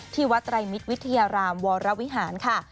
วัดไตรมิตรวิทยารามวรวิหารค่ะ